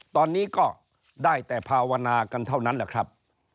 ตอนนี้ก็ได้แต่ภาวนากันเท่านั้นแหละครับ